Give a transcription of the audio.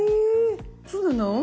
そうなの？